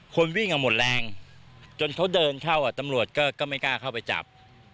คนวิ่งหมดแรงจนเขาเดินเข้าตำรวจก็ไม่กล้าเข้าไปจับ